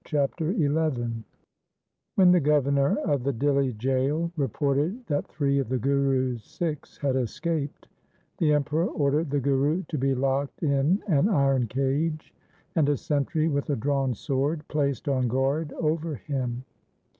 Chapter XI When the Governor of the Dihli jail reported that three of the Guru's Sikhs had escaped, the Emperor ordered the Guru to be locked in an iron cage, and a sentry with a drawn sword placed on guard over him.